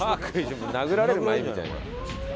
殴られる前みたいな。